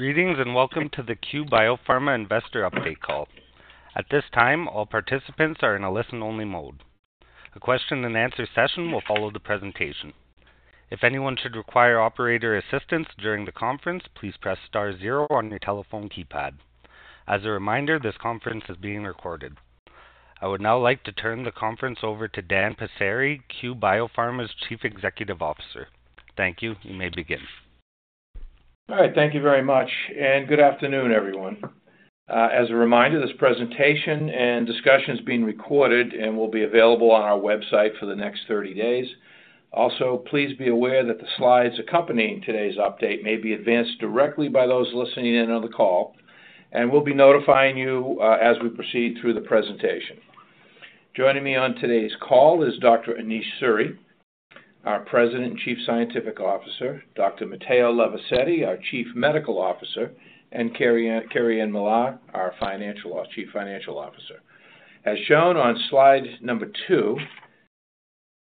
Greetings, welcome to the Cue Biopharma Investor Update Call. At this time, all participants are in a listen-only mode. A question and answer session will follow the presentation. If anyone should require operator assistance during the conference, please press star zero on your telephone keypad. As a reminder, this conference is being recorded. I would now like to turn the conference over to Dan Passeri, Cue Biopharma's Chief Executive Officer. Thank you. You may begin. All right. Thank you very much, and good afternoon, everyone. As a reminder, this presentation and discussion is being recorded and will be available on our website for the next 30 days. Also, please be aware that the slides accompanying today's update may be advanced directly by those listening in on the call, and we'll be notifying you, as we proceed through the presentation. Joining me on today's call is Dr. Anish Suri, our President and Chief Scientific Officer, Dr. Matteo Levisetti, our Chief Medical Officer, and Kerri-Ann, Kerri-Ann Millar, our Financial-- Chief Financial Officer. As shown on slide number two,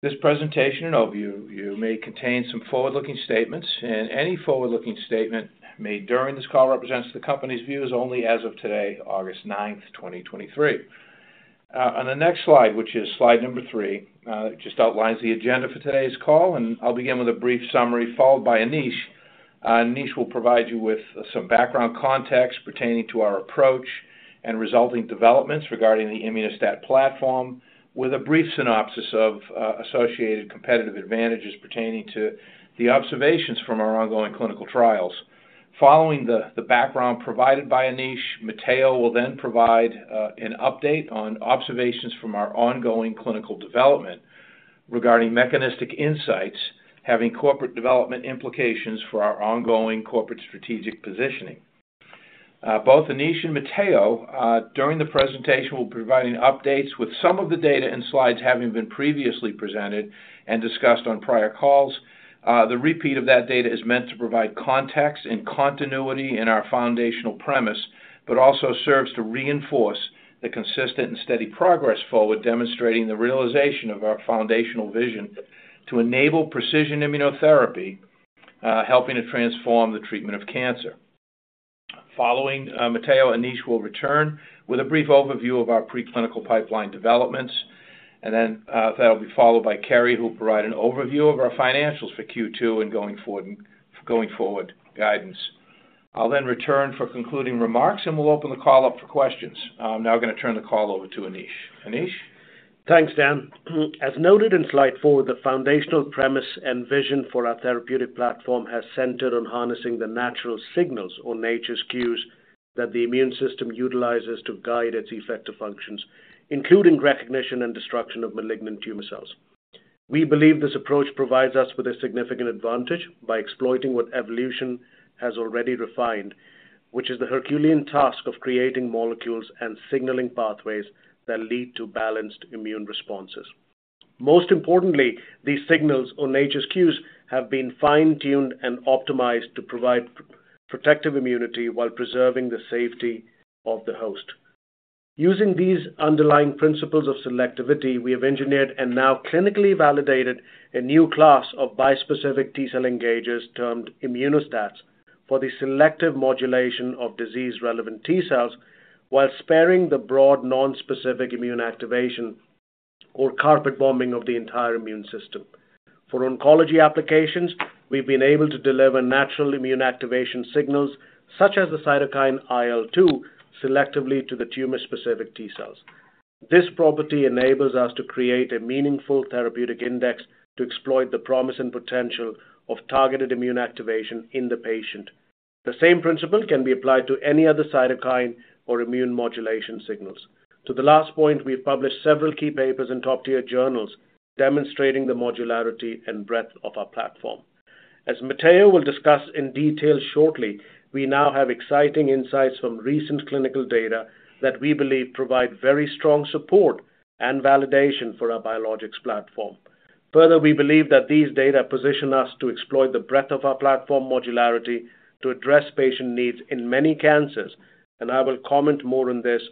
this presentation and overview may contain some forward-looking statements, and any forward-looking statement made during this call represents the company's views only as of today, August 9, 2023. On the next slide, which is slide number 3, it just outlines the agenda for today's call. I'll begin with a brief summary, followed by Anish. Anish will provide you with some background context pertaining to our approach and resulting developments regarding the Immuno-STAT platform, with a brief synopsis of associated competitive advantages pertaining to the observations from our ongoing clinical trials. Following the background provided by Anish, Matteo will then provide an update on observations from our ongoing clinical development regarding mechanistic insights, having corporate development implications for our ongoing corporate strategic positioning. Both Anish and Matteo, during the presentation, will be providing updates with some of the data and slides having been previously presented and discussed on prior calls. The repeat of that data is meant to provide context and continuity in our foundational premise, but also serves to reinforce the consistent and steady progress forward, demonstrating the realization of our foundational vision to enable precision immunotherapy, helping to transform the treatment of cancer. Following, Matteo, Anish will return with a brief overview of our preclinical pipeline developments, and then, that'll be followed by Kerri, who will provide an overview of our financials for Q2 and going forward, going forward guidance. I'll then return for concluding remarks, and we'll open the call up for questions. I'm now gonna turn the call over to Anish. Anish? Thanks, Dan. As noted in slide 4, the foundational premise and vision for our therapeutic platform has centered on harnessing the natural signals or nature's cues that the immune system utilizes to guide its effective functions, including recognition and destruction of malignant tumor cells. We believe this approach provides us with a significant advantage by exploiting what evolution has already refined, which is the Herculean task of creating molecules and signaling pathways that lead to balanced immune responses. Most importantly, these signals or nature's cues have been fine-tuned and optimized to provide protective immunity while preserving the safety of the host. Using these underlying principles of selectivity, we have engineered and now clinically validated a new class of bispecific T-cell engagers, termed Immuno-STATs, for the selective modulation of disease-relevant T cells while sparing the broad, non-specific immune activation or carpet bombing of the entire immune system. For oncology applications, we've been able to deliver natural immune activation signals, such as the cytokine IL-2, selectively to the tumor-specific T-cells. This property enables us to create a meaningful therapeutic index to exploit the promise and potential of targeted immune activation in the patient. The same principle can be applied to any other cytokine or immune modulation signals. To the last point, we have published several key papers in top-tier journals demonstrating the modularity and breadth of our platform. As Matteo will discuss in detail shortly, we now have exciting insights from recent clinical data that we believe provide very strong support and validation for our biologics platform. Further, we believe that these data position us to exploit the breadth of our platform modularity to address patient needs in many cancers, and I will comment more on this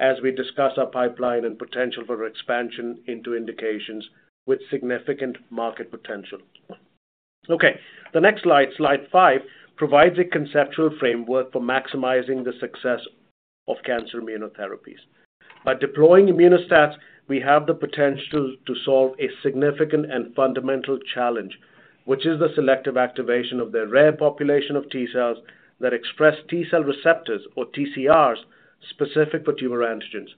as we discuss our pipeline and potential for expansion into indications with significant market potential. Okay, the next slide, slide 5, provides a conceptual framework for maximizing the success of cancer immunotherapies. By deploying Immuno-STATs, we have the potential to solve a significant and fundamental challenge, which is the selective activation of the rare population of T cells that express T-cell receptors, or TCRs, specific for tumor antigens.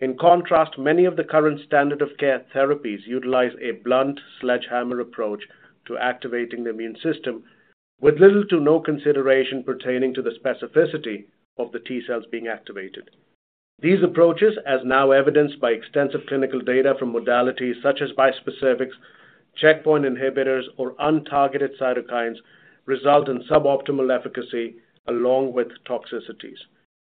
In contrast, many of the current standard of care therapies utilize a blunt sledgehammer approach to activating the immune system with little to no consideration pertaining to the specificity of the T cells being activated. These approaches, as now evidenced by extensive clinical data from modalities such as bispecifics, checkpoint inhibitors, or untargeted cytokines, result in suboptimal efficacy along with toxicities.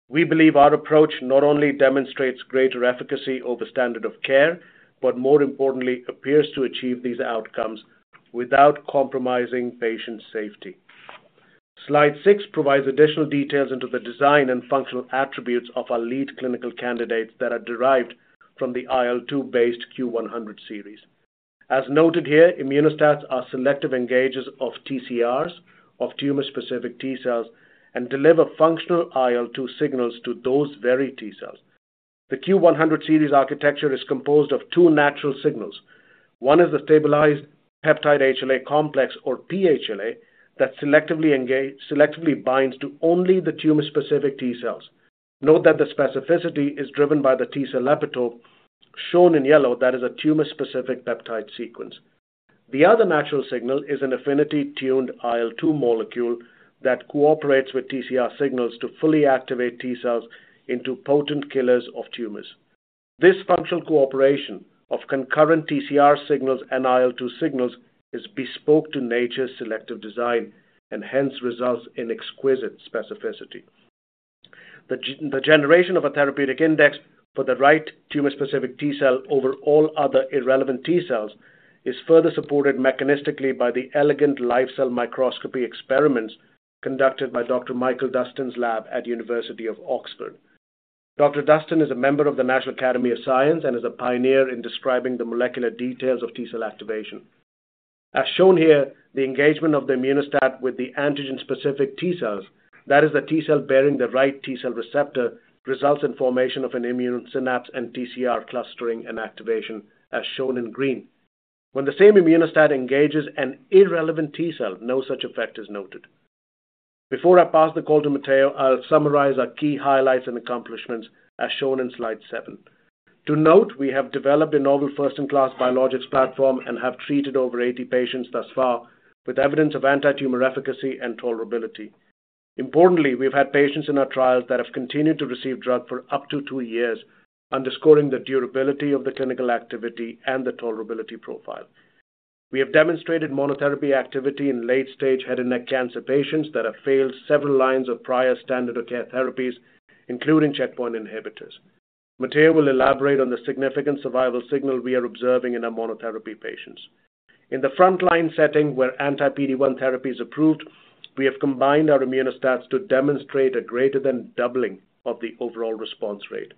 We believe our approach not only demonstrates greater efficacy over standard of care, more importantly, appears to achieve these outcomes without compromising patient safety. Slide six provides additional details into the design and functional attributes of our lead clinical candidates that are derived from the IL-2 based CUE-100 series. As noted here, Immuno-STATs are selective engagers of TCRs, of tumor-specific T cells, and deliver functional IL-2 signals to those very T cells. The CUE-100 series architecture is composed of two natural signals. One is the stabilized peptide HLA complex, or pHLA, that selectively binds to only the tumor-specific T cells. Note that the specificity is driven by the T cell epitope, shown in yellow, that is a tumor-specific peptide sequence. The other natural signal is an affinity-tuned IL-2 molecule that cooperates with TCR signals to fully activate T cells into potent killers of tumors. This functional cooperation of concurrent TCR signals and IL-2 signals is bespoke to nature's selective design and hence results in exquisite specificity. The generation of a therapeutic index for the right tumor-specific T cell over all other irrelevant T cells is further supported mechanistically by the elegant live cell microscopy experiments conducted by Dr. Michael Dustin's lab at University of Oxford. Dr. Dustin is a member of the National Academy of Sciences and is a pioneer in describing the molecular details of T cell activation. As shown here, the engagement of the Immuno-STAT with the antigen-specific T cells, that is, the T cell bearing the right T-cell receptor, results in formation of an immune synapse and TCR clustering and activation, as shown in green. When the same Immuno-STAT engages an irrelevant T cell, no such effect is noted. Before I pass the call to Matteo, I'll summarize our key highlights and accomplishments, as shown in slide 7. To note, we have developed a novel first-in-class biologics platform and have treated over 80 patients thus far, with evidence of anti-tumor efficacy and tolerability. Importantly, we've had patients in our trials that have continued to receive drug for up to two years, underscoring the durability of the clinical activity and the tolerability profile. We have demonstrated monotherapy activity in late-stage head and neck cancer patients that have failed several lines of prior standard of care therapies, including checkpoint inhibitors. Matteo will elaborate on the significant survival signal we are observing in our monotherapy patients. In the front-line setting, where anti-PD-1 therapy is approved, we have combined our Immuno-STATs to demonstrate a greater than doubling of the overall response rate.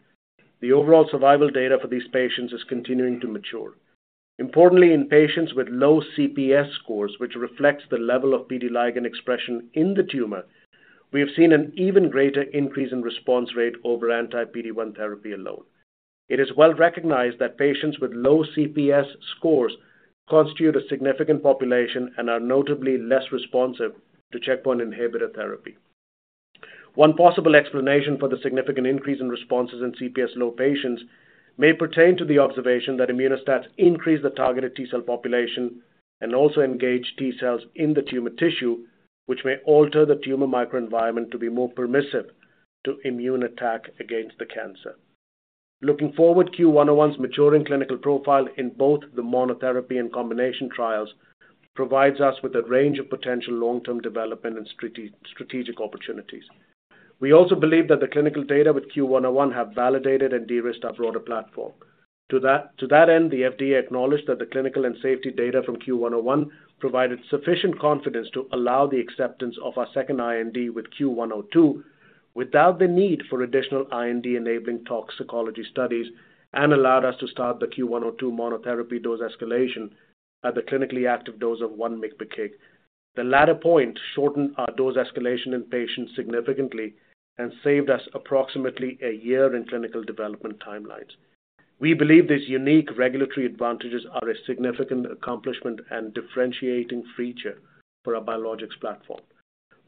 The overall survival data for these patients is continuing to mature. Importantly, in patients with low CPS scores, which reflects the level of PD-ligand expression in the tumor, we have seen an even greater increase in response rate over anti-PD-1 therapy alone. It is well recognized that patients with low CPS scores constitute a significant population and are notably less responsive to checkpoint inhibitor therapy. One possible explanation for the significant increase in responses in CPS low patients may pertain to the observation that Immuno-STATs increase the targeted T cell population and also engage T cells in the tumor tissue, which may alter the tumor microenvironment to be more permissive to immune attack against the cancer. Looking forward, CUE-101's maturing clinical profile in both the monotherapy and combination trials provides us with a range of potential long-term development and strategic, strategic opportunities. We also believe that the clinical data with CUE-101 have validated and de-risked our broader platform. To that end, the FDA acknowledged that the clinical and safety data from CUE-101 provided sufficient confidence to allow the acceptance of our second IND with CUE-102 without the need for additional IND-enabling toxicology studies, and allowed us to start the CUE-102 monotherapy dose escalation at the clinically active dose of 1 mg/kg. The latter point shortened our dose escalation in patients significantly and saved us approximately a year in clinical development timelines. We believe these unique regulatory advantages are a significant accomplishment and differentiating feature for our biologics platform.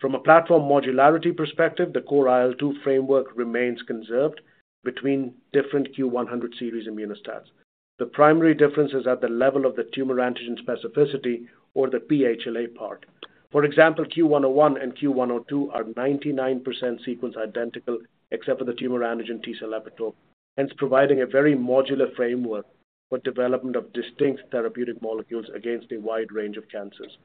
From a platform modularity perspective, the core IL-2 framework remains conserved between different CUE-100 series Immuno-STATs. The primary difference is at the level of the tumor antigen specificity or the pHLA part. For example, CUE-101 and CUE-102 are 99% sequence identical, except for the tumor antigen T-cell epitope, hence providing a very modular framework for development of distinct therapeutic molecules against a wide range of cancers.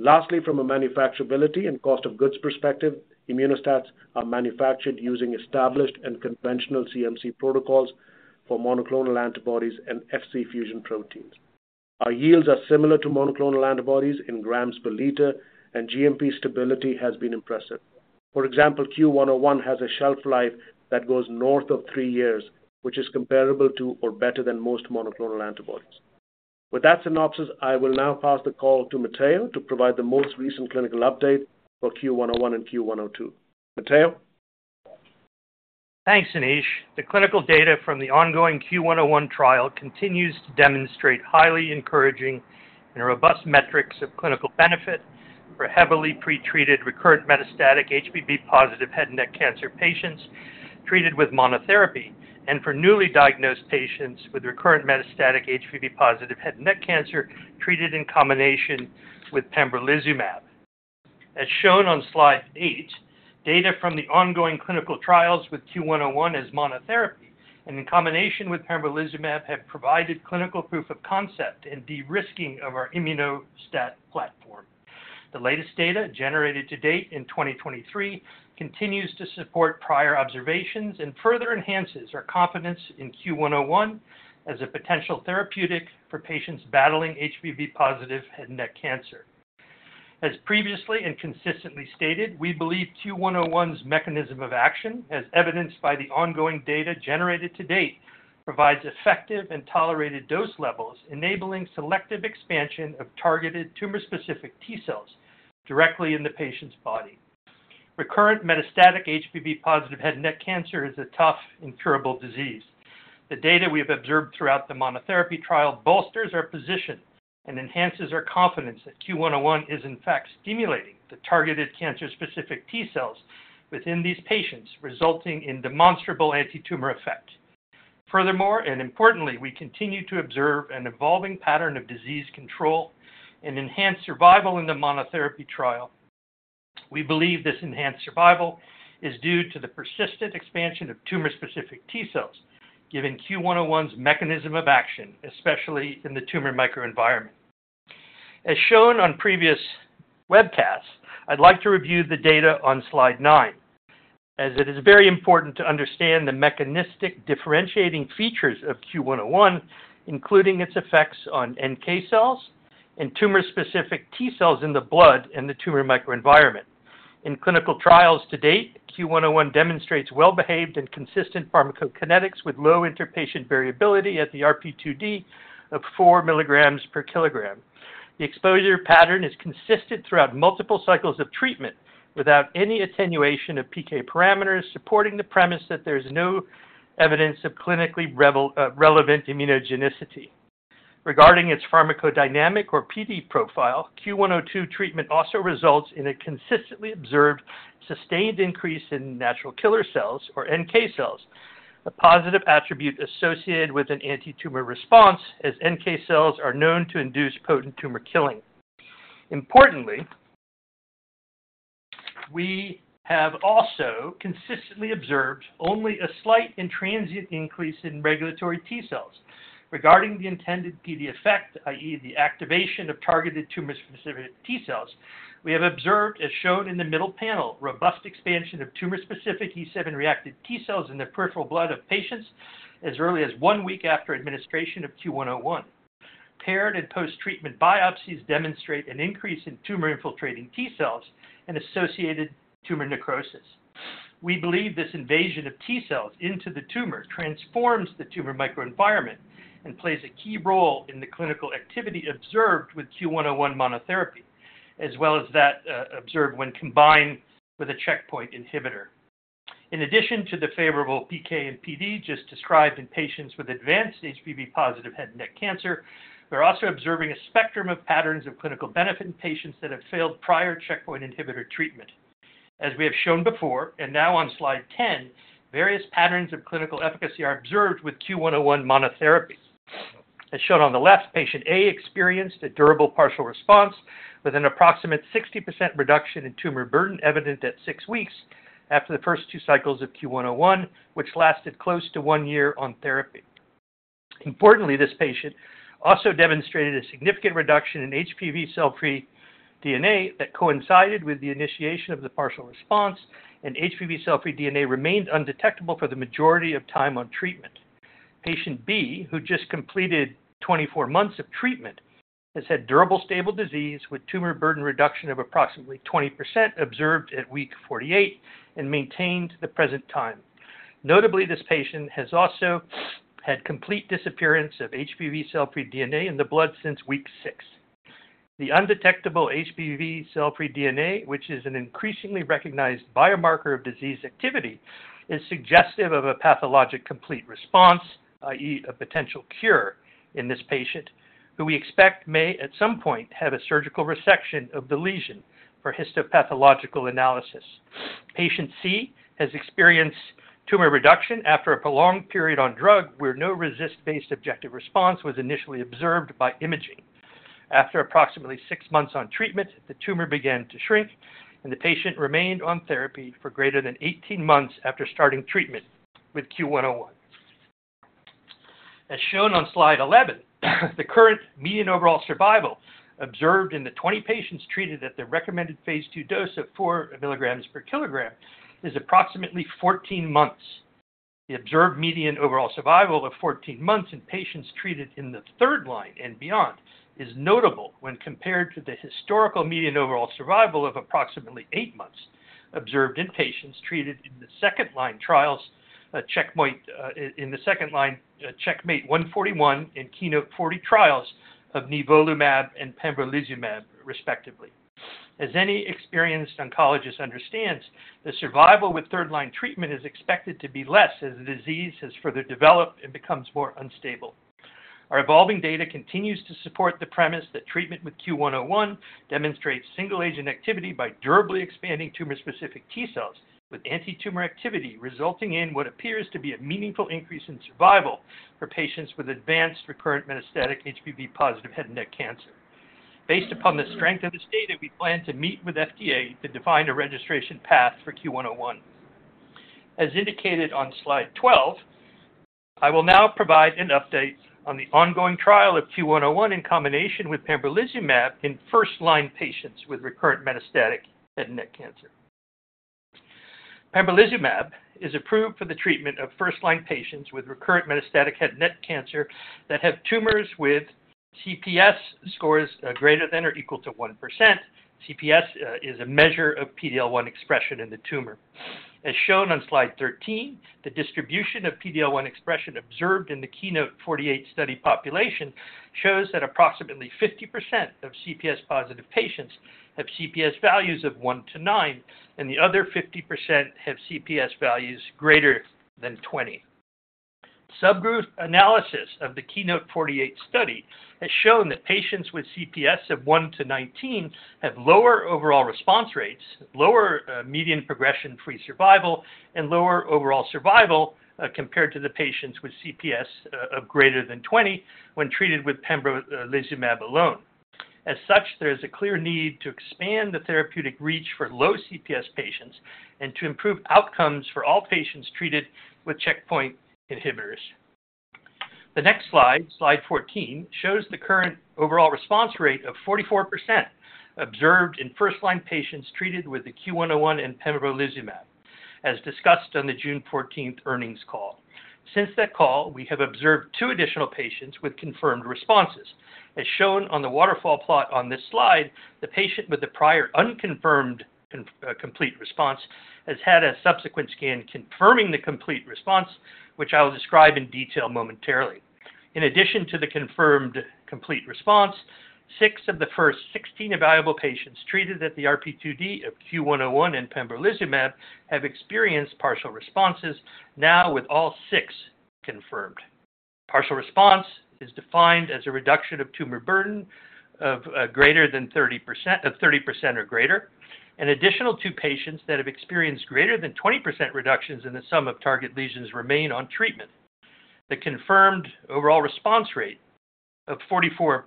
Lastly, from a manufacturability and cost of goods perspective, Immuno-STATs are manufactured using established and conventional CMC protocols for monoclonal antibodies and Fc fusion proteins. Our yields are similar to monoclonal antibodies in grams per liter, and GMP stability has been impressive. For example, CUE-101 has a shelf life that goes north of three years, which is comparable to or better than most monoclonal antibodies. With that synopsis, I will now pass the call to Matteo to provide the most recent clinical update for CUE-101 and CUE-102. Matteo? Thanks, Anish. The clinical data from the ongoing CUE-101 trial continues to demonstrate highly encouraging and robust metrics of clinical benefit for heavily pretreated, recurrent metastatic HPV-positive head and neck cancer patients treated with monotherapy, and for newly diagnosed patients with recurrent metastatic HPV-positive head and neck cancer treated in combination with pembrolizumab. As shown on slide 8, data from the ongoing clinical trials with CUE-101 as monotherapy and in combination with pembrolizumab have provided clinical proof of concept in de-risking of our Immuno-STAT platform. The latest data, generated to date in 2023, continues to support prior observations and further enhances our confidence in CUE-101 as a potential therapeutic for patients battling HPV-positive head and neck cancer. As previously and consistently stated, we believe CUE-101's mechanism of action, as evidenced by the ongoing data generated to date, provides effective and tolerated dose levels, enabling selective expansion of targeted tumor-specific T cells directly in the patient's body. Recurrent metastatic HPV-positive head and neck cancer is a tough and curable disease. The data we have observed throughout the monotherapy trial bolsters our position and enhances our confidence that CUE-101 is in fact stimulating the targeted cancer-specific T cells within these patients, resulting in demonstrable antitumor effect. Furthermore, and importantly, we continue to observe an evolving pattern of disease control and enhanced survival in the monotherapy trial. We believe this enhanced survival is due to the persistent expansion of tumor-specific T cells, given CUE-101's mechanism of action, especially in the tumor microenvironment. As shown on previous webcasts, I'd like to review the data on slide 9, as it is very important to understand the mechanistic differentiating features of CUE-101, including its effects on NK cells and tumor-specific T cells in the blood and the tumor microenvironment. In clinical trials to date, CUE-101 demonstrates well-behaved and consistent pharmacokinetics with low interpatient variability at the RP2D of 4 mg/kg. The exposure pattern is consistent throughout multiple cycles of treatment, without any attenuation of PK parameters, supporting the premise that there is no evidence of clinically relevant immunogenicity. Regarding its pharmacodynamic or PD profile, CUE-102 treatment also results in a consistently observed, sustained increase in natural killer cells or NK cells, a positive attribute associated with an antitumor response, as NK cells are known to induce potent tumor killing. Importantly, we have also consistently observed only a slight and transient increase in regulatory T cells. Regarding the intended PD effect, i.e., the activation of targeted tumor-specific T cells, we have observed, as shown in the middle panel, robust expansion of tumor-specific E7-reacted T cells in the peripheral blood of patients as early as one week after administration of CUE-101. Paired and post-treatment biopsies demonstrate an increase in tumor-infiltrating T cells and associated tumor necrosis. We believe this invasion of T cells into the tumor transforms the tumor microenvironment and plays a key role in the clinical activity observed with CUE-101 monotherapy, as well as that observed when combined with a checkpoint inhibitor. In addition to the favorable PK and PD just described in patients with advanced HPV positive head and neck cancer, we're also observing a spectrum of patterns of clinical benefit in patients that have failed prior checkpoint inhibitor treatment. As we have shown before, and now on slide 10, various patterns of clinical efficacy are observed with CUE-101 monotherapy. As shown on the left, patient A experienced a durable partial response with an approximate 60% reduction in tumor burden evident at six weeks after the first two cycles of Q 101, which lasted close to one year on therapy. Importantly, this patient also demonstrated a significant reduction in HPV cell-free DNA that coincided with the initiation of the partial response, and HPV cell-free DNA remained undetectable for the majority of time on treatment. Patient B, who just completed 24 months of treatment, has had durable, stable disease with tumor burden reduction of approximately 20% observed at week 48 and maintained to the present time. Notably, this patient has also had complete disappearance of HPV cell-free DNA in the blood since week 6. The undetectable HPV cell-free DNA, which is an increasingly recognized biomarker of disease activity, is suggestive of a pathologic, complete response, i.e., a potential cure in this patient, who we expect may at some point have a surgical resection of the lesion for histopathological analysis. Patient C has experienced tumor reduction after a prolonged period on drug, where no RECIST-based objective response was initially observed by imaging. After approximately six months on treatment, the tumor began to shrink, and the patient remained on therapy for greater than 18 months after starting treatment with CUE-101. As shown on slide 11, the current median overall survival observed in the 20 patients treated at the recommended phase II dose of 4 mg per kg is approximately 14 months. The observed median overall survival of 14 months in patients treated in the third line and beyond is notable when compared to the historical median overall survival of approximately eight months observed in patients treated in the second line trials, in the second line, CheckMate 141 and KEYNOTE-040 trials of nivolumab and pembrolizumab, respectively. As any experienced oncologist understands, the survival with third-line treatment is expected to be less as the disease has further developed and becomes more unstable. Our evolving data continues to support the premise that treatment with CUE-101 demonstrates single-agent activity by durably expanding tumor-specific T cells with antitumor activity, resulting in what appears to be a meaningful increase in survival for patients with advanced recurrent metastatic HPV-positive head and neck cancer. Based upon the strength of this data, we plan to meet with FDA to define a registration path for CUE-101. As indicated on slide 12, I will now provide an update on the ongoing trial of CUE-101 in combination with pembrolizumab in first-line patients with recurrent metastatic head and neck cancer. Pembrolizumab is approved for the treatment of first-line patients with recurrent metastatic head and neck cancer that have tumors with CPS scores greater than or equal to 1%. CPS is a measure of PD-L1 expression in the tumor. As shown on slide 13, the distribution of PD-L1 expression observed in the KEYNOTE-048 study population shows that approximately 50% of CPS-positive patients have CPS values of one to nine, and the other 50% have CPS values greater than 20. Subgroup analysis of the KEYNOTE-048 study has shown that patients with CPS of 1 to 19 have lower overall response rates, lower median progression-free survival, and lower overall survival compared to the patients with CPS of greater than 20 when treated with pembrolizumab alone. As such, there is a clear need to expand the therapeutic reach for low CPS patients and to improve outcomes for all patients treated with checkpoint inhibitors. The next slide, slide 14, shows the current overall response rate of 44% observed in first-line patients treated with the CUE-101 and pembrolizumab, as discussed on the June 14th earnings call. Since that call, we have observed two additional patients with confirmed responses. As shown on the waterfall plot on this slide, the patient with the prior unconfirmed complete response has had a subsequent scan confirming the complete response, which I will describe in detail momentarily. In addition to the confirmed complete response, six of the first 16 evaluable patients treated at the RP2D of CUE-101 and pembrolizumab have experienced partial responses, now with all six confirmed. Partial response is defined as a reduction of tumor burden of greater than 30% of 30% or greater. An additional two patients that have experienced greater than 20% reductions in the sum of target lesions remain on treatment. The confirmed overall response rate of 44%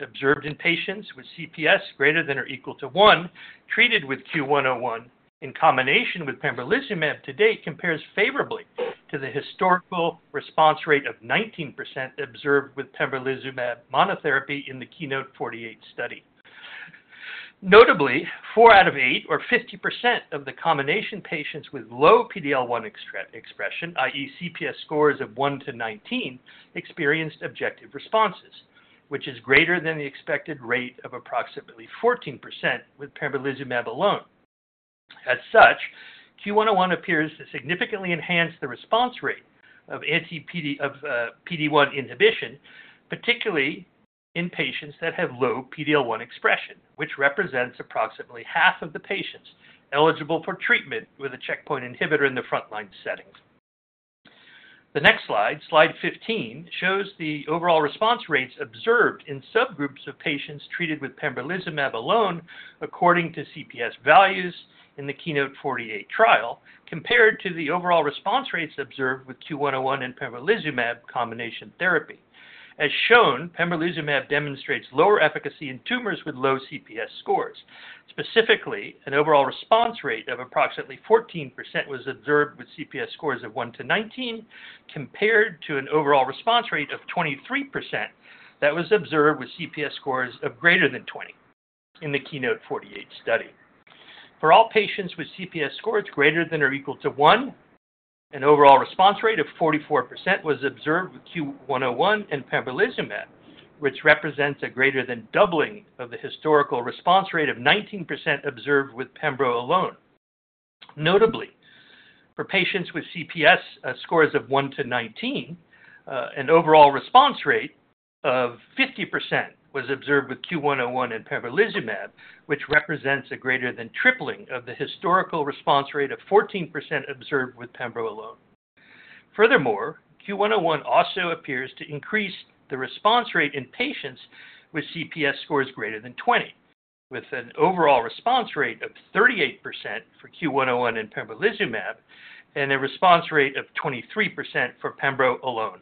observed in patients with CPS greater than or equal to one, treated with CUE-101 in combination with pembrolizumab to date, compares favorably to the historical response rate of 19% observed with pembrolizumab monotherapy in the KEYNOTE-048 study. Notably, four out of eight, or 50% of the combination patients with low PD-L1 expression, i.e., CPS scores of 1 to 19, experienced objective responses, which is greater than the expected rate of approximately 14% with pembrolizumab alone. As such, CUE-101 appears to significantly enhance the response rate of anti-PD, of PD-1 inhibition, particularly in patients that have low PD-L1 expression, which represents approximately half of the patients eligible for treatment with a checkpoint inhibitor in the front-line setting. The next slide, slide 15, shows the overall response rates observed in subgroups of patients treated with pembrolizumab alone, according to CPS values in the KEYNOTE-048 trial, compared to the overall response rates observed with CUE-101 and pembrolizumab combination therapy. As shown, pembrolizumab demonstrates lower efficacy in tumors with low CPS scores. Specifically, an overall response rate of approximately 14% was observed with CPS scores of 1 to 19, compared to an overall response rate of 23% that was observed with CPS scores of greater than 20 in the KEYNOTE-048 study. For all patients with CPS scores greater than or equal to 1, an overall response rate of 44% was observed with CUE-101 and pembrolizumab, which represents a greater than doubling of the historical response rate of 19% observed with pembro alone. Notably, for patients with CPS scores of 1-19, an overall response rate of 50% was observed with CUE-101 and pembrolizumab, which represents a greater than tripling of the historical response rate of 14% observed with pembro alone. Furthermore, CUE-101 also appears to increase the response rate in patients with CPS scores greater than 20, with an overall response rate of 38% for CUE-101 and pembrolizumab, and a response rate of 23% for pembro alone.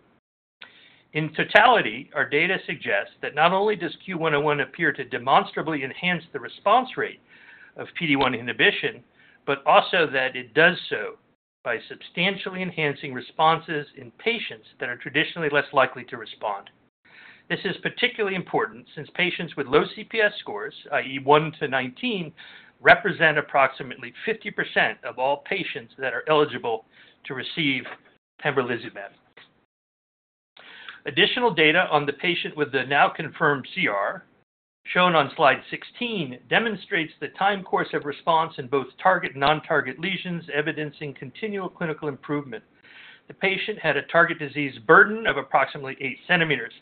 In totality, our data suggests that not only does CUE-101 appear to demonstrably enhance the response rate of PD-1 inhibition, but also that it does so by substantially enhancing responses in patients that are traditionally less likely to respond. This is particularly important since patients with low CPS scores, i.e., 1-19, represent approximately 50% of all patients that are eligible to receive pembrolizumab. Additional data on the patient with the now confirmed CR, shown on slide 16, demonstrates the time course of response in both target and non-target lesions, evidencing continual clinical improvement. The patient had a target disease burden of approximately eight centimeters,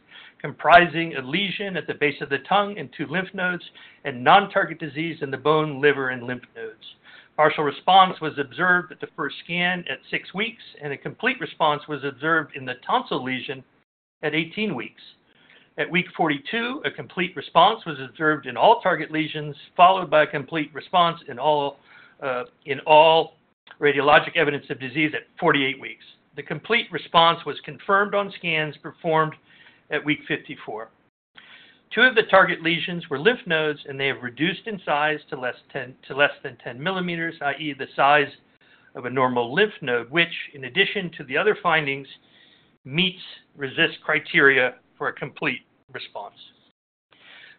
comprising a lesion at the base of the tongue and two lymph nodes, and non-target disease in the bone, liver, and lymph nodes. Partial response was observed at the first scan at six weeks, and a complete response was observed in the tonsil lesion at 18 weeks. At week 42, a complete response was observed in all target lesions, followed by a complete response in all, in all radiologic evidence of disease at 48 weeks. The complete response was confirmed on scans performed at week 54. Two of the target lesions were lymph nodes, they have reduced in size to less than 10 millimeters, i.e., the size of a normal lymph node, which, in addition to the other findings, meets RECIST criteria for a complete response.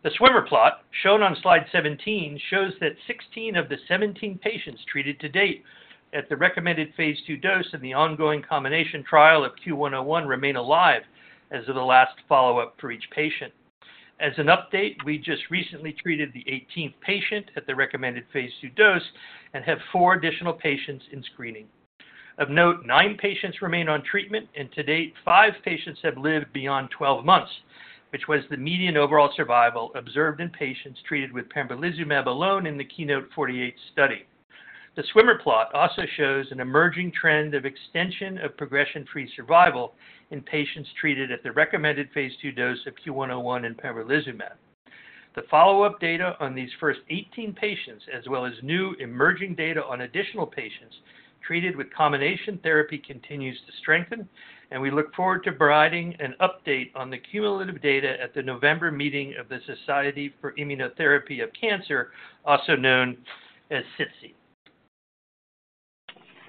The swimmer plot, shown on slide 17, shows that 16 of the 17 patients treated to date at the recommended phase II dose in the ongoing combination trial of CUE-101 remain alive as of the last follow-up for each patient. As an update, we just recently treated the 18th patient at the recommended phase II dose and have four additional patients in screening. Of note, nine patients remain on treatment, and to date, five patients have lived beyond 12 months, which was the median overall survival observed in patients treated with pembrolizumab alone in the KEYNOTE-048 study. The swimmer plot also shows an emerging trend of extension of progression-free survival in patients treated at the recommended phase II dose of CUE-101 and pembrolizumab. The follow-up data on these first 18 patients, as well as new emerging data on additional patients treated with combination therapy, continues to strengthen, and we look forward to providing an update on the cumulative data at the November meeting of the Society for Immunotherapy of Cancer, also known as SITC.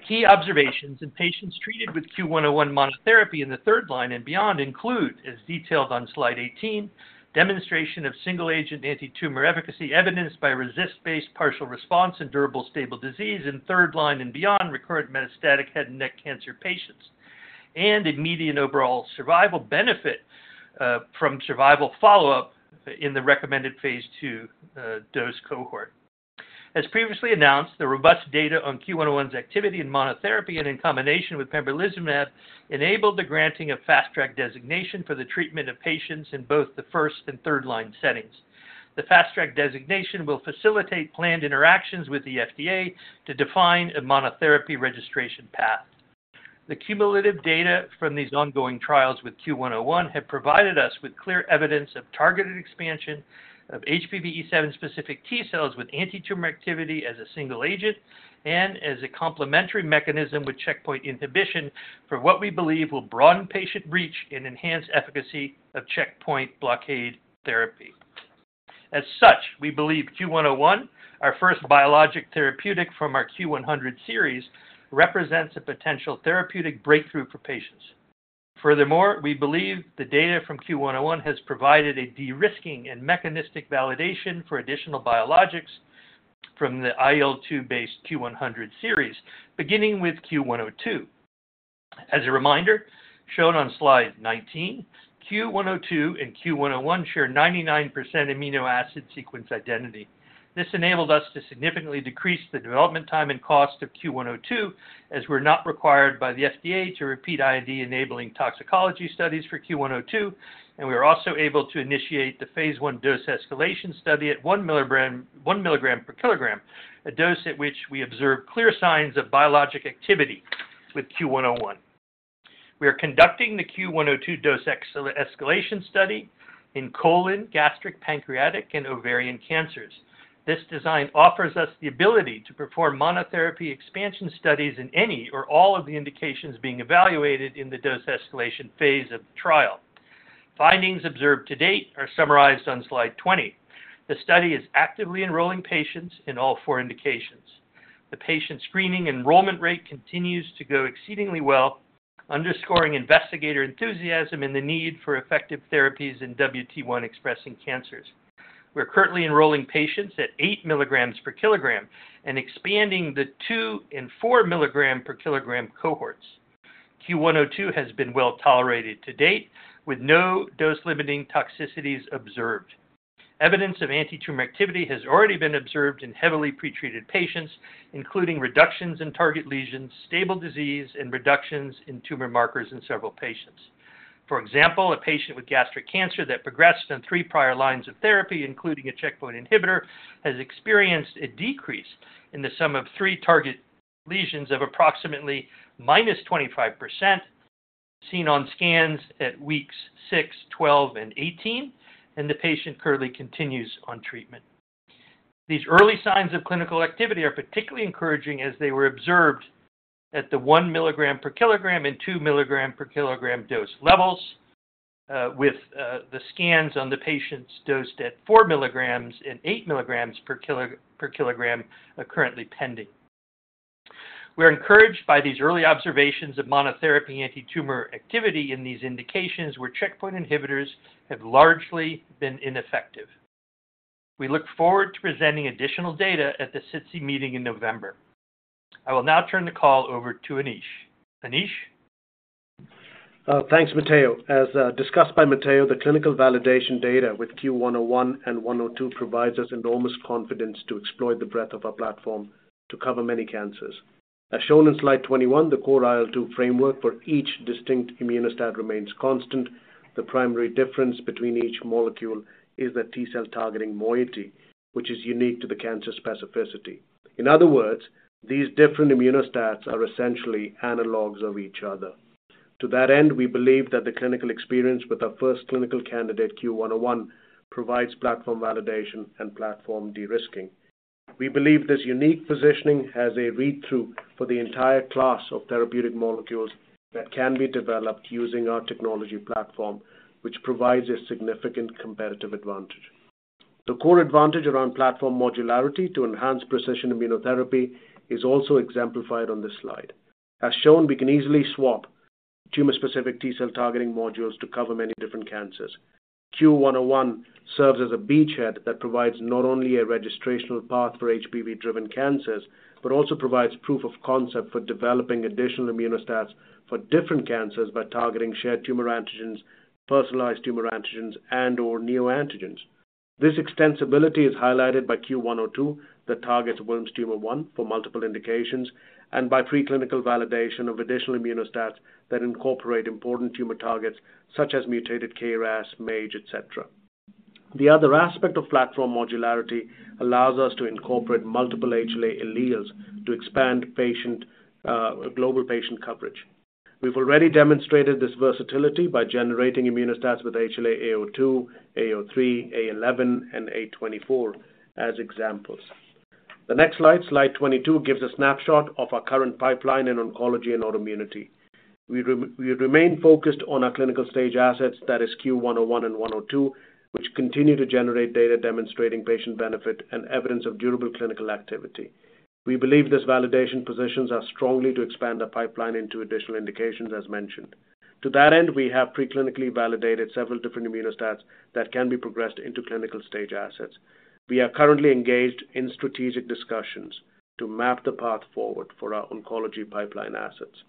Key observations in patients treated with CUE-101 monotherapy in the third line and beyond include, as detailed on slide 18, demonstration of single-agent antitumor efficacy evidenced by RECIST-based partial response and durable stable disease in third line and beyond recurrent metastatic head and neck cancer patients, and a median overall survival benefit from survival follow-up in the recommended phase II dose cohort. As previously announced, the robust data on CUE-101's activity in monotherapy and in combination with pembrolizumab enabled the granting of Fast Track designation for the treatment of patients in both the first and third-line settings. The Fast Track designation will facilitate planned interactions with the FDA to define a monotherapy registration path. The cumulative data from these ongoing trials with CUE-101 have provided us with clear evidence of targeted expansion of HPV E7-specific T cells with antitumor activity as a single agent and as a complementary mechanism with checkpoint inhibition for what we believe will broaden patient reach and enhance efficacy of checkpoint blockade therapy. As such, we believe CUE-101, our first biologic therapeutic from our CUE-100 series, represents a potential therapeutic breakthrough for patients. Furthermore, we believe the data from CUE-101 has provided a de-risking and mechanistic validation for additional biologics from the IL-2 based CUE-100 series, beginning with CUE-102. As a reminder, shown on slide 19, CUE-102 and CUE-101 share 99% amino acid sequence identity. This enabled us to significantly decrease the development time and cost of CUE-102, as we're not required by the FDA to repeat IND-enabling toxicology studies for CUE-102, and we are also able to initiate the phase I dose-escalation study at 1 milligram, 1 mg/kg, a dose at which we observe clear signs of biologic activity with CUE-101. We are conducting the CUE-102 dose-escalation study in colon, gastric, pancreatic, and ovarian cancers. This design offers us the ability to perform monotherapy expansion studies in any or all of the indications being evaluated in the dose escalation phase of the trial. Findings observed to date are summarized on slide 20. The study is actively enrolling patients in all four indications. The patient screening enrollment rate continues to go exceedingly well, underscoring investigator enthusiasm and the need for effective therapies in WT1-expressing cancers. We are currently enrolling patients at 8 mg/kg and expanding the 2 and 4 mg/kg cohorts. CUE-102 has been well tolerated to date, with no dose-limiting toxicities observed. Evidence of antitumor activity has already been observed in heavily pretreated patients, including reductions in target lesions, stable disease, and reductions in tumor markers in several patients. For example, a patient with gastric cancer that progressed on three prior lines of therapy, including a checkpoint inhibitor, has experienced a decrease in the sum of three target lesions of approximately minus 25%, seen on scans at weeks six, 12, and 18. The patient currently continues on treatment. These early signs of clinical activity are particularly encouraging as they were observed at the 1 mg/kg and 2 mg/kg dose levels, with the scans on the patients dosed at 4 mg and 8 mg/kg are currently pending. We are encouraged by these early observations of monotherapy antitumor activity in these indications where checkpoint inhibitors have largely been ineffective. We look forward to presenting additional data at the SITC meeting in November. I will now turn the call over to Anish. Anish? Thanks, Matteo. As discussed by Matteo, the clinical validation data with CUE-101 and CUE-102 provides us enormous confidence to explore the breadth of our platform to cover many cancers. As shown in slide 21, the core IL-2 framework for each distinct Immuno-STAT remains constant. The primary difference between each molecule is the T-cell targeting moiety, which is unique to the cancer specificity. In other words, these different Immuno-STATs are essentially analogs of each other. To that end, we believe that the clinical experience with our first clinical candidate, CUE-101, provides platform validation and platform de-risking. We believe this unique positioning has a read-through for the entire class of therapeutic molecules that can be developed using our technology platform, which provides a significant competitive advantage. The core advantage around platform modularity to enhance precision immunotherapy is also exemplified on this slide. As shown, we can easily swap tumor-specific T-cell targeting modules to cover many different cancers. CUE-101 serves as a beachhead that provides not only a registrational path for HPV-driven cancers, but also provides proof of concept for developing additional Immuno-STATs for different cancers by targeting shared tumor antigens, personalized tumor antigens, and/or neoantigens. This extensibility is highlighted by CUE-102, that targets Wilms' tumor 1 for multiple indications, and by preclinical validation of additional Immuno-STATs that incorporate important tumor targets such as mutated KRAS, MAGE, et cetera. The other aspect of platform modularity allows us to incorporate multiple HLA alleles to expand patient global patient coverage. We've already demonstrated this versatility by generating Immuno-STATs with HLA-A02, A03, A11, and A24 as examples. The next slide, slide 22, gives a snapshot of our current pipeline in oncology and autoimmunity. We remain focused on our clinical stage assets, that is CUE-101 and CUE-102, which continue to generate data demonstrating patient benefit and evidence of durable clinical activity. We believe this validation positions us strongly to expand our pipeline into additional indications, as mentioned. To that end, we have preclinically validated several different Immuno-STATs that can be progressed into clinical stage assets. We are currently engaged in strategic discussions to map the path forward for our oncology pipeline assets.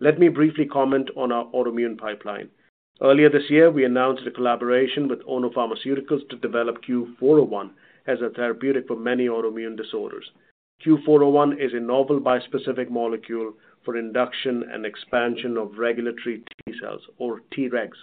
Let me briefly comment on our autoimmune pipeline. Earlier this year, we announced a collaboration with Ono Pharmaceutical to develop CUE-401 as a therapeutic for many autoimmune disorders. CUE-401 is a novel bispecific molecule for induction and expansion of regulatory T cells, or Tregs.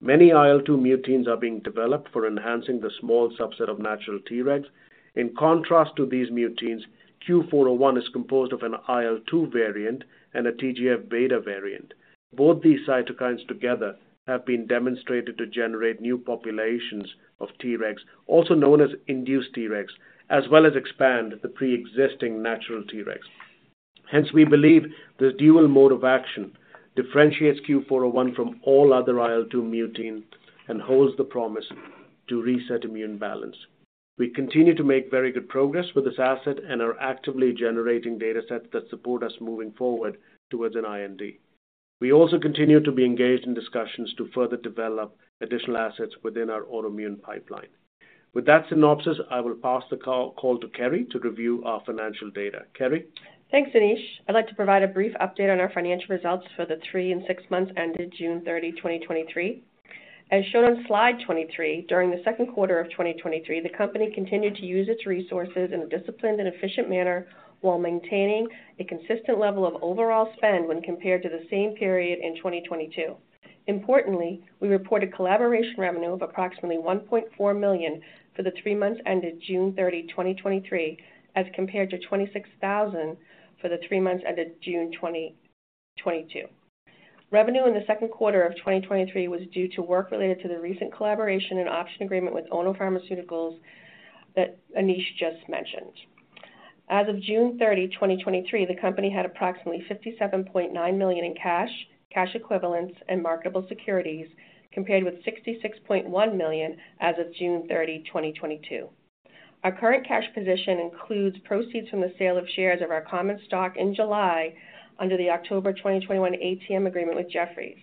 Many IL-2 muteins are being developed for enhancing the small subset of natural Tregs. In contrast to these muteins, CUE-401 is composed of an IL-2 variant and a TGF-beta variant. Both these cytokines together have been demonstrated to generate new populations of Tregs, also known as induced Tregs, as well as expand the pre-existing natural Tregs. We believe this dual mode of action differentiates CUE-401 from all other IL-2 mutein and holds the promise to reset immune balance. We continue to make very good progress with this asset and are actively generating data sets that support us moving forward towards an IND. We also continue to be engaged in discussions to further develop additional assets within our autoimmune pipeline. With that synopsis, I will pass the call to Kerri to review our financial data. Kerri? Thanks, Anish. I'd like to provide a brief update on our financial results for the three and six months ended June 30, 2023. As shown on slide 23, during the second quarter of 2023, the company continued to use its resources in a disciplined and efficient manner while maintaining a consistent level of overall spend when compared to the same period in 2022. Importantly, we reported collaboration revenue of approximately $1.4 million for the three months ended June 30, 2023, as compared to $26,000 for the three months ended June 2022. Revenue in the second quarter of 2023 was due to work related to the recent collaboration and option agreement with Ono Pharmaceutical that Anish just mentioned. As of June 30, 2023, the company had approximately $57.9 million in cash, cash equivalents, and marketable securities, compared with $66.1 million as of June 30, 2022. Our current cash position includes proceeds from the sale of shares of our common stock in July under the October 2021 ATM agreement with Jefferies.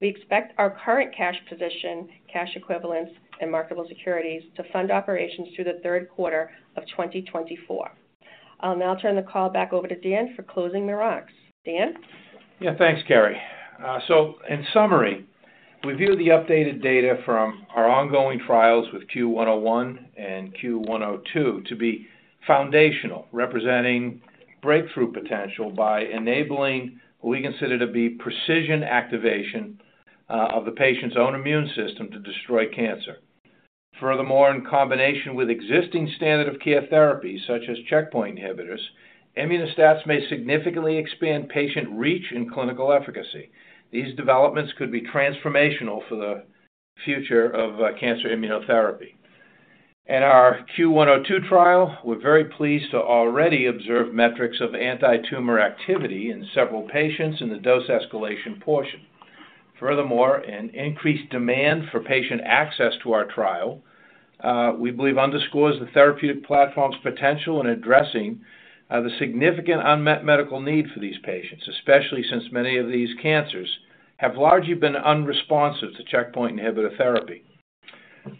We expect our current cash position, cash equivalents, and marketable securities to fund operations through the third quarter of 2024. I'll now turn the call back over to Dan for closing remarks. Dan? Thanks, Kerri. In summary, we view the updated data from our ongoing trials with CUE-101 and CUE-102 to be foundational, representing breakthrough potential by enabling what we consider to be precision activation of the patient's own immune system to destroy cancer. In combination with existing standard of care therapies, such as checkpoint inhibitors, Immuno-STATs may significantly expand patient reach and clinical efficacy. These developments could be transformational for the future of cancer immunotherapy. In our CUE-102 trial, we're very pleased to already observe metrics of anti-tumor activity in several patients in the dose escalation portion. An increased demand for patient access to our trial, we believe underscores the therapeutic platform's potential in addressing the significant unmet medical need for these patients, especially since many of these cancers have largely been unresponsive to checkpoint inhibitor therapy.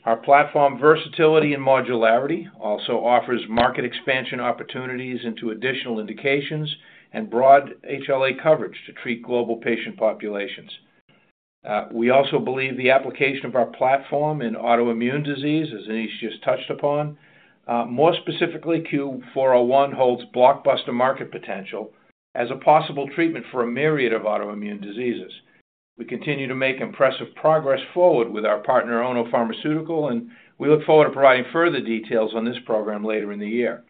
Our platform versatility and modularity also offers market expansion opportunities into additional indications and broad HLA coverage to treat global patient populations. We also believe the application of our platform in autoimmune disease, as Anish just touched upon, more specifically, CUE-401 holds blockbuster market potential as a possible treatment for a myriad of autoimmune diseases. We continue to make impressive progress forward with our partner, Ono Pharmaceutical, and we look forward to providing further details on this program later in the year.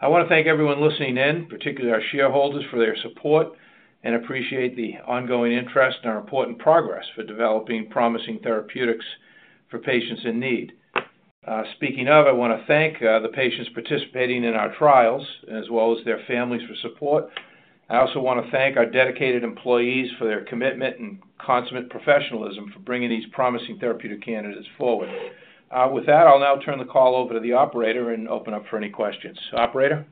I want to thank everyone listening in, particularly our shareholders, for their support, and appreciate the ongoing interest in our important progress for developing promising therapeutics for patients in need. Speaking of, I want to thank the patients participating in our trials, as well as their families for support. I also want to thank our dedicated employees for their commitment and consummate professionalism for bringing these promising therapeutic candidates forward. With that, I'll now turn the call over to the operator and open up for any questions. Operator?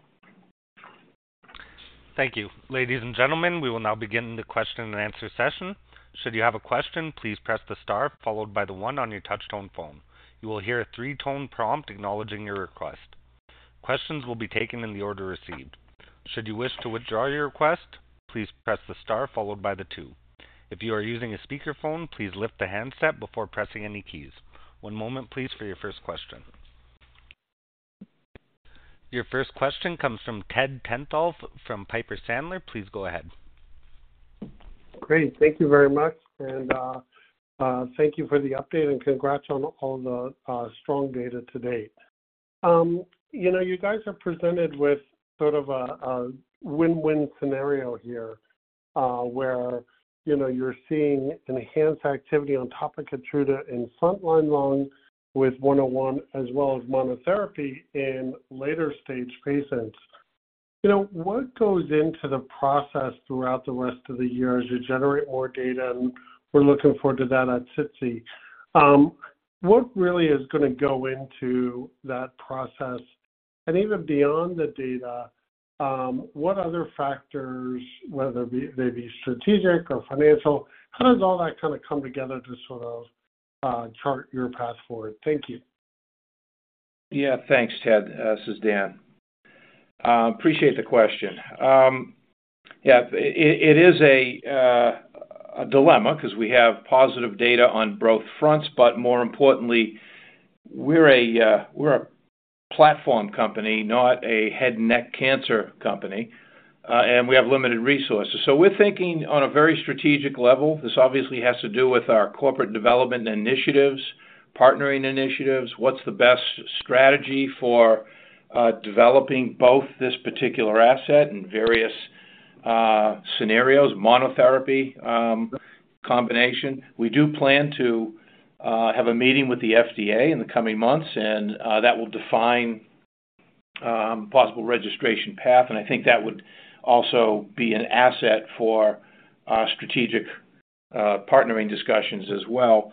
Thank you. Ladies and gentlemen, we will now begin the question and answer session. Should you have a question, please press the star followed by the one on your touchtone phone. You will hear a three-tone prompt acknowledging your request. Questions will be taken in the order received. Should you wish to withdraw your request, please press the star followed by the two. If you are using a speakerphone, please lift the handset before pressing any keys. One moment, please, for your first question. Your first question comes from Ted Tenthoff from Piper Sandler. Please go ahead. Great. Thank you very much, and thank you for the update, and congrats on all the strong data to date. You know, you guys are presented with sort of a, a win-win scenario here, where, you know, you're seeing enhanced activity on top of Keytruda in frontline lung with 101 as well as monotherapy in later-stage patients. You know, what goes into the process throughout the rest of the year as you generate more data, and we're looking forward to that at SITC. What really is gonna go into that process? And even beyond the data, what other factors, whether they be strategic or financial, how does all that kind of come together to sort of chart your path forward? Thank you. Yeah, thanks, Ted. This is Dan. Appreciate the question. Yeah, it, it is a dilemma 'cause we have positive data on both fronts. More importantly, we're a platform company, not a head and neck cancer company, and we have limited resources. We're thinking on a very strategic level. This obviously has to do with our corporate development initiatives, partnering initiatives. What's the best strategy for developing both this particular asset and various scenarios, monotherapy, combination? We do plan to have a meeting with the FDA in the coming months. That will define possible registration path, and I think that would also be an asset for our strategic partnering discussions as well.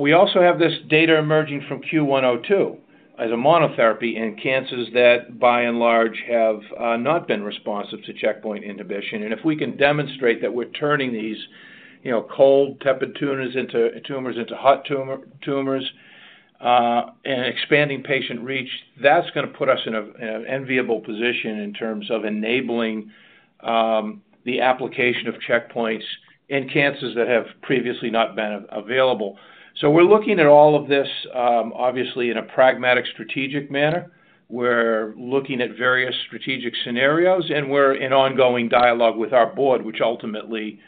We also have this data emerging from CUE-102 as a monotherapy in cancers that by and large, have not been responsive to checkpoint inhibition. If we can demonstrate that we're turning these, you know, cold, tepid tumors into, tumors into hot tumor, tumors, and expanding patient reach, that's gonna put us in a, an enviable position in terms of enabling, the application of checkpoints in cancers that have previously not been a-available. We're looking at all of this, obviously in a pragmatic, strategic manner. We're looking at various strategic scenarios, and we're in ongoing dialogue with our board, which ultimately,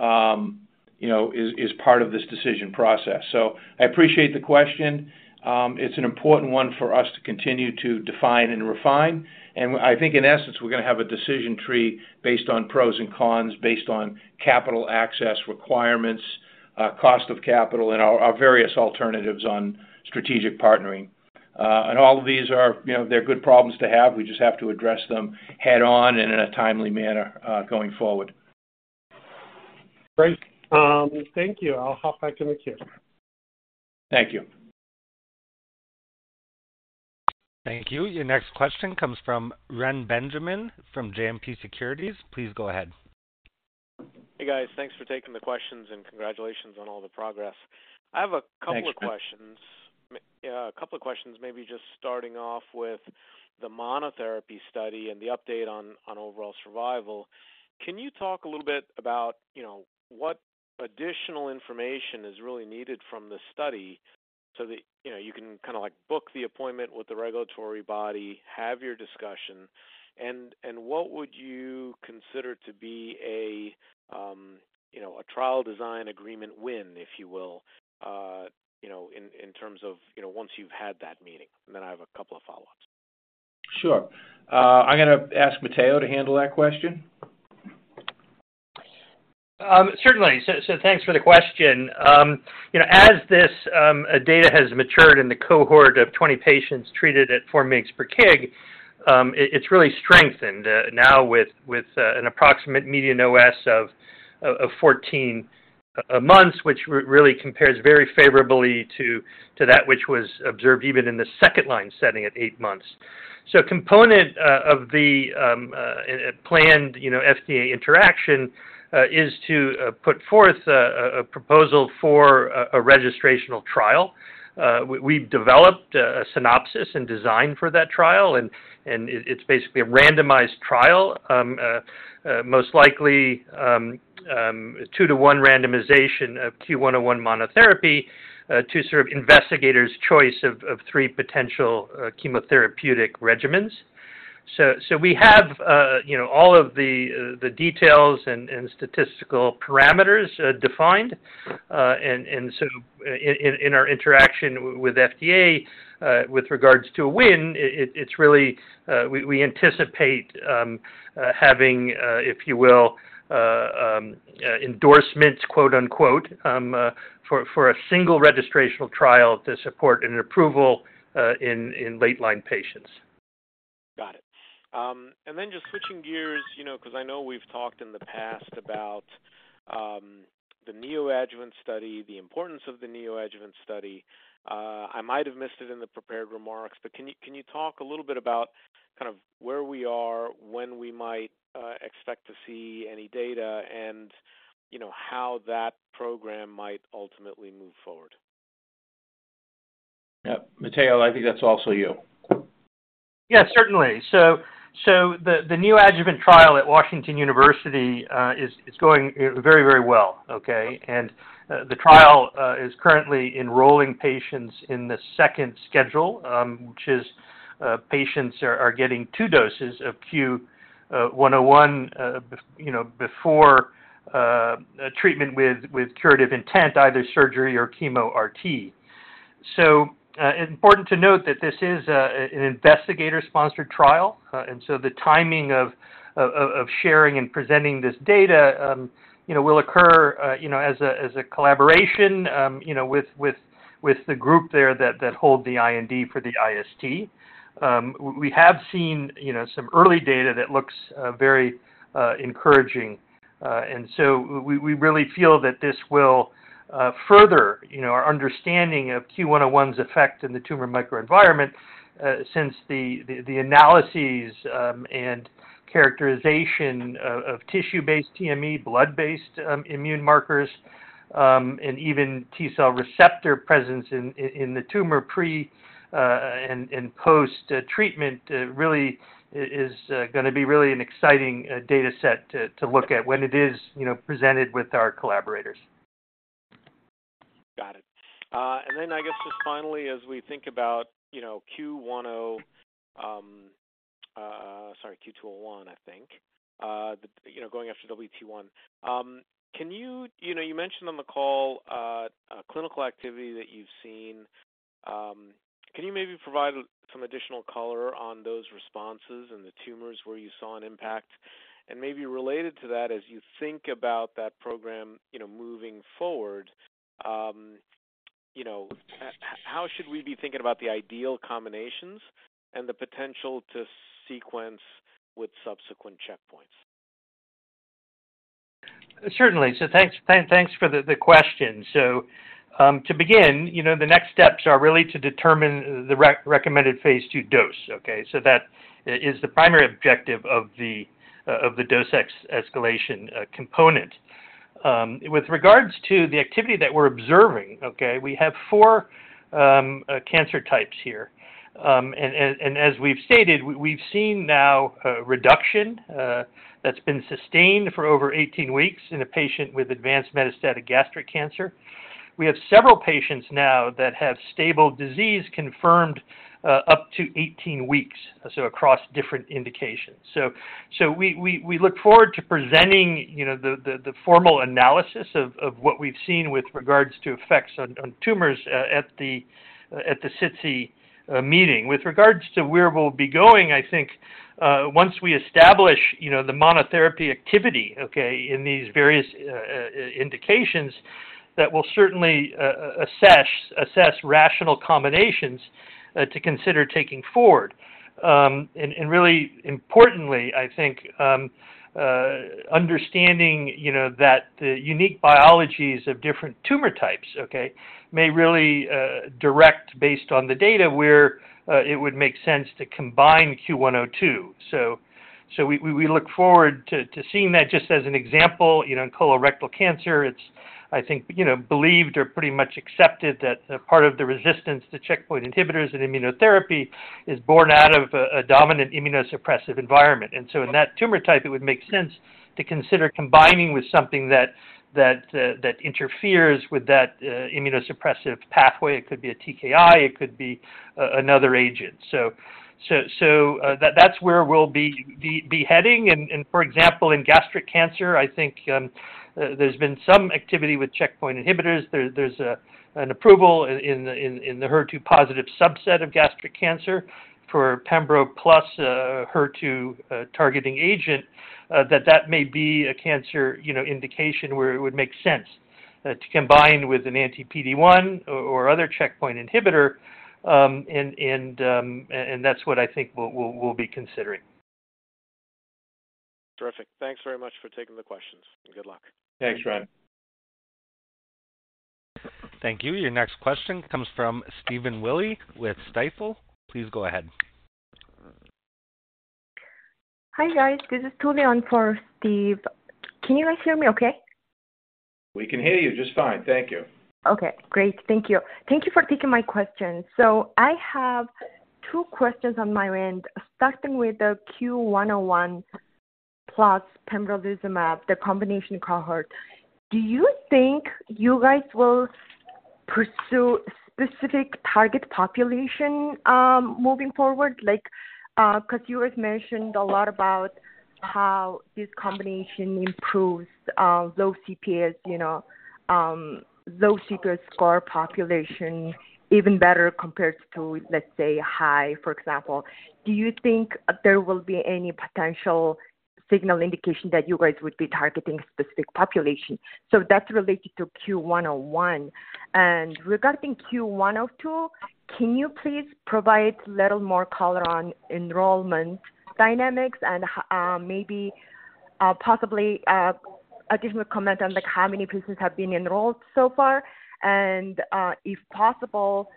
you know, is, is part of this decision process. I appreciate the question. It's an important one for us to continue to define and refine, and I think in essence, we're gonna have a decision tree based on pros and cons, based on capital access requirements, cost of capital, and our, our various alternatives on strategic partnering. All of these are, you know, they're good problems to have. We just have to address them head-on and in a timely manner, going forward. Great. Thank you. I'll hop back in the queue. Thank you. Thank you. Your next question comes from Ren Benjamin from JMP Securities. Please go ahead. Hey, guys. Thanks for taking the questions and congratulations on all the progress. Thanks, Ren. I have a couple of questions. Yeah, a couple of questions, maybe just starting off with the monotherapy study and the update on, on overall survival. Can you talk a little bit about, you know, what additional information is really needed from the study so that, you know, you can kind of, like, book the appointment with the regulatory body, have your discussion, and, and what would you consider to be a, you know, a trial design agreement win, if you will, you know, in, in terms of, you know, once you've had that meeting? Then I have a couple of follow-ups. Sure. I'm gonna ask Matteo to handle that question. Certainly. So thanks for the question. You know, as this data has matured in the cohort of 20 patients treated at 4 mg/kg, it's really strengthened now with an approximate median OS of 14 months, which really compares very favorably to that which was observed even in the second line setting at eight months. Component of the planned, you know, FDA interaction is to put forth a proposal for a registrational trial. We've developed a synopsis and design for that trial, and it's basically a randomized trial, most likely two to one randomization of CUE-101 monotherapy to sort of investigators' choice of three potential chemotherapeutic regimens. We have, you know, all of the details and statistical parameters defined. In our interaction with FDA, with regards to a win, it's really, we anticipate having, if you will, endorsements, quote, unquote, for a single registrational trial to support an approval, in late line patients. Got it. Then just switching gears, you know, 'cause I know we've talked in the past about the neoadjuvant study, the importance of the neoadjuvant study. I might have missed it in the prepared remarks, but can you, can you talk a little bit about kind of where we are, when we might expect to see any data, and, you know, how that program might ultimately move forward? Yep. Matteo, I think that's also you. Yeah, certainly. The neoadjuvant trial at Washington University is going very, very well, okay? The trial is currently enrolling patients in the second schedule, which is patients are getting 2 doses of CUE-101, you know, before treatment with curative intent, either surgery or chemo-RT. Important to note that this is an investigator-sponsored trial, and so the timing of, of, of sharing and presenting this data, you know, will occur, you know, as a, as a collaboration, you know, with, with, with the group there that, that hold the IND for the IST. We have seen, you know, some early data that looks very encouraging. We, we really feel that this will further, you know, our understanding of CUE-101's effect in the tumor microenvironment, since the, the, the analyses, and characterization of, of tissue-based TME, blood-based, immune markers, and even T-cell receptor presence in, in the tumor pre, and, and post-treatment, really is gonna be really an exciting data set to, to look at when it is, you know, presented with our collaborators. Got it. Then I guess just finally, as we think about, you know, CUE-101 sorry, CUE-201, I think, you know, going after WT1, You know, you mentioned on the call, a clinical activity that you've seen. Can you maybe provide some additional color on those responses and the tumors where you saw an impact? Maybe related to that, as you think about that program, you know, moving forward, you know, how should we be thinking about the ideal combinations and the potential to sequence with subsequent checkpoints? Thanks, thanks for the question. To begin, you know, the next steps are really to determine the recommended phase II dose. That is the primary objective of the dose escalation component. With regards to the activity that we're observing, okay, we have 4 cancer types here. As we've stated, we've seen now a reduction that's been sustained for over 18 weeks in a patient with advanced metastatic gastric cancer. We have several patients now that have stable disease confirmed up to 18 weeks, so across different indications. We look forward to presenting, you know, the formal analysis of what we've seen with regards to effects on tumors at the SITC meeting. With regards to where we'll be going, I think, once we establish, you know, the monotherapy activity, okay, in these various indications, that we'll certainly assess rational combinations to consider taking forward. Really importantly, I think, understanding, you know, that the unique biologies of different tumor types, okay, may really direct based on the data where it would make sense to combine CUE-102. We look forward to seeing that. Just as an example, you know, in colorectal cancer, it's, I think, you know, believed or pretty much accepted that a part of the resistance to checkpoint inhibitors and immunotherapy is born out of a, a dominant immunosuppressive environment. In that tumor type, it would make sense to consider combining with something that, that interferes with that immunosuppressive pathway. It could be a TKI, it could be a, another agent. That's where we'll be, be, be heading. For example, in gastric cancer, I think, there's been some activity with checkpoint inhibitors. There, there's, an approval in, in, in the HER2 positive subset of gastric cancer for pembro plus, HER2, targeting agent, that that may be a cancer, you know, indication where it would make sense, to combine with an anti-PD-1 or other checkpoint inhibitor. That's what I think we'll, we'll, we'll be considering. Terrific. Thanks very much for taking the questions, good luck. Thanks, Ren. Thank you. Your next question comes from Steven Willey with Stifel. Please go ahead. Hi, guys. This is Julian for Stephen. Can you guys hear me okay? We can hear you just fine. Thank you. Okay, great. Thank you. Thank you for taking my question. I have two questions on my end, starting with the CUE-101 plus pembrolizumab, the combination cohort. Do you think you guys will pursue specific target population moving forward? Like, because you guys mentioned a lot about how this combination improves low CPS, you know, low CPS score population even better compared to, let's say, high, for example. Do you think there will be any potential signal indication that you guys would be targeting specific population? That's related to CUE-101. Regarding CUE-102, can you please provide a little more color on enrollment dynamics and maybe possibly additional comment on, like, how many patients have been enrolled so far? If possible,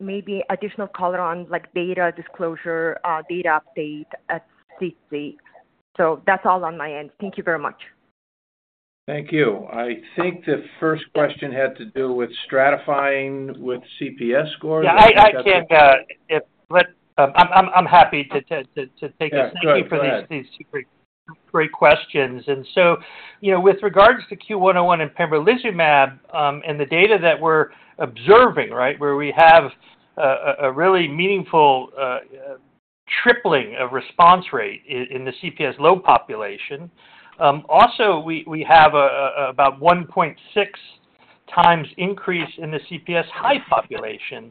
maybe additional color on, like, data disclosure, data update at CC. That's all on my end. Thank you very much. Thank you. I think the first question had to do with stratifying with CPS scores. Yeah, I, I can, if, but, I'm, I'm, I'm happy to, to, to, to take. Yeah, go ahead. Thank you for these, these two great, great questions. You know, with regards to CUE-101 and pembrolizumab, and the data that we're observing, right, where we have a really meaningful tripling of response rate in the CPS low population. Also, we have about 1.6 times increase in the CPS high population.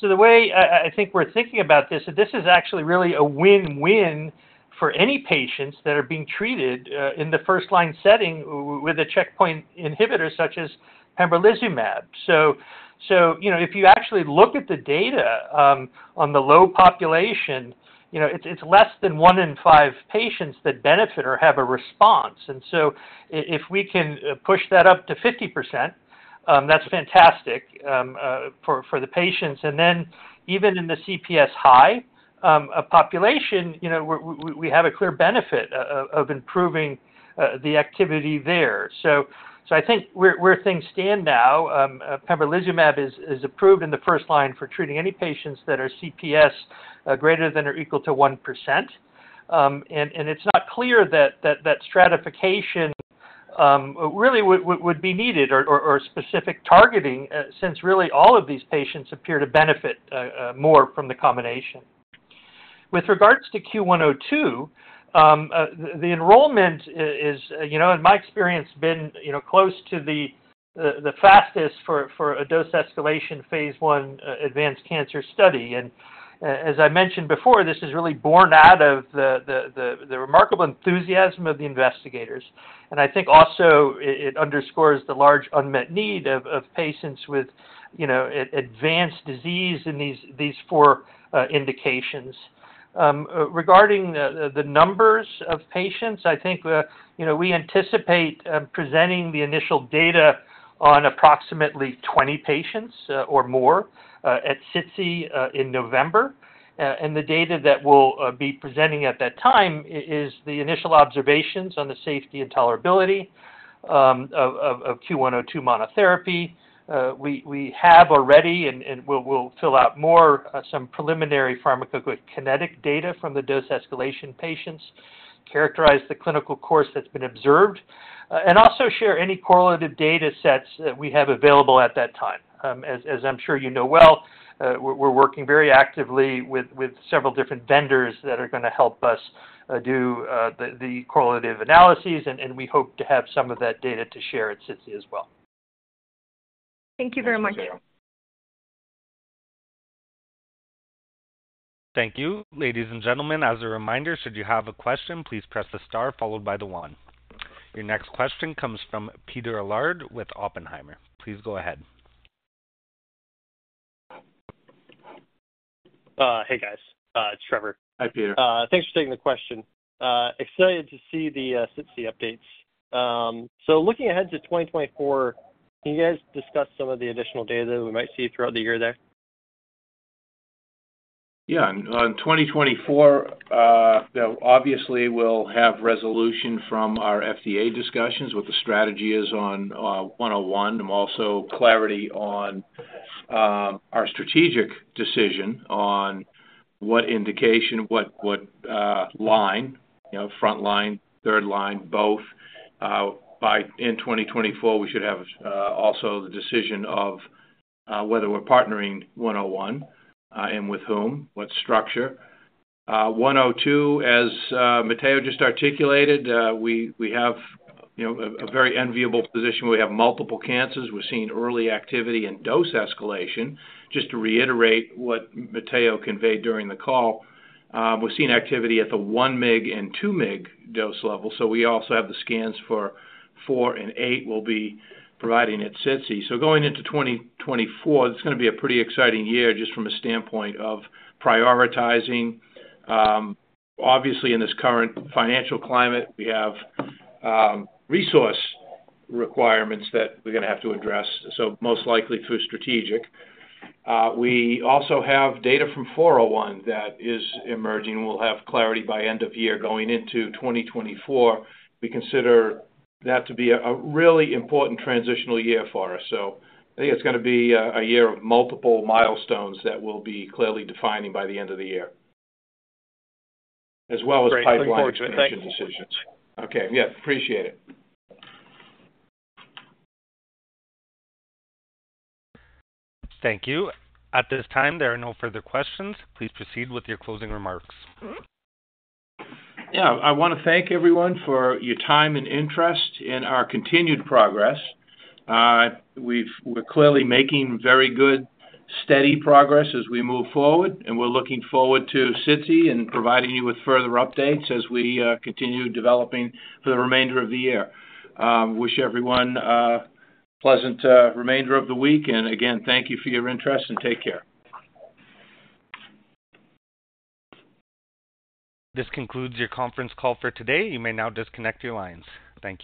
The way I think we're thinking about this, this is actually really a win-win for any patients that are being treated in the first line setting with a checkpoint inhibitor such as pembrolizumab. You know, if you actually look at the data, on the low population, you know, it's, it's less than one in five patients that benefit or have a response. So i- if we can push that up to 50%, that's fantastic for, for the patients. Then even in the CPS high population, you know, we're, we, we have a clear benefit o- of, of improving the activity there. So I think where, where things stand now, pembrolizumab is, is approved in the first line for treating any patients that are CPS greater than or equal to 1%. And it's not clear that, that, that stratification really would, would, would be needed or, or, or specific targeting since really all of these patients appear to benefit more from the combination. With regards to CUE-102, the enrollment is, you know, in my experience, been, you know, close to the fastest for a dose escalation phase I advanced cancer study. As I mentioned before, this is really born out of the remarkable enthusiasm of the investigators. I think also it underscores the large unmet need of patients with, you know, advanced disease in these four indications. Regarding the numbers of patients, I think, you know, we anticipate presenting the initial data on approximately 20 patients or more at SITC in November. The data that we'll be presenting at that time is the initial observations on the safety and tolerability of CUE-102 monotherapy. We, we have already and, and we'll, we'll fill out more, some preliminary pharmacokinetic data from the dose escalation patients, characterize the clinical course that's been observed, and also share any correlative data sets that we have available at that time. As, as I'm sure you know well, we're, we're working very actively with, with several different vendors that are gonna help us, do, the, the correlative analyses, and, and we hope to have some of that data to share at SITC as well. Thank you very much. Thank you. Thank you. Ladies and gentlemen, as a reminder, should you have a question, please press the star followed by the one. Your next question comes from Peter Allard with Oppenheimer. Please go ahead. Hey, guys. It's Trevor. Hi, Trevor. Thanks for taking the question. Excited to see the SITC updates. Looking ahead to 2024, can you guys discuss some of the additional data that we might see throughout the year there? Yeah. On 2024, obviously, we'll have resolution from our FDA discussions, what the strategy is on CUE-101, and also clarity on our strategic decision on what indication, what line, you know, front line, third line, both. In 2024, we should have also the decision of whether we're partnering CUE-101, and with whom, what structure. CUE-102, as Matteo just articulated, we, we have, you know, a very enviable position. We have multiple cancers. We're seeing early activity and dose escalation. Just to reiterate what Matteo conveyed during the call, we're seeing activity at the 1 Mig and 2 Mig dose level, so we also have the scans for four and eight. We'll be providing at SITC. Going into 2024, it's gonna be a pretty exciting year just from a standpoint of prioritizing. Obviously, in this current financial climate, we have resource requirements that we're gonna have to address, so most likely through strategic. We also have data from CUE-401 that is emerging. We'll have clarity by end of year going into 2024. We consider that to be a, a really important transitional year for us. I think it's gonna be a, a year of multiple milestones that will be clearly defining by the end of the year, as well as pipeline expansion decisions. Okay. Yeah, appreciate it. Thank you. At this time, there are no further questions. Please proceed with your closing remarks. Yeah, I want to thank everyone for your time and interest in our continued progress. We're clearly making very good, steady progress as we move forward, and we're looking forward to SITC and providing you with further updates as we continue developing for the remainder of the year. Wish everyone a pleasant remainder of the week. Again, thank you for your interest, and take care. This concludes your conference call for today. You may now disconnect your lines. Thank you.